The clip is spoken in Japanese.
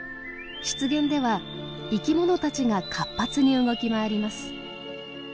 湿原では生き物たちが活発に動き回ります。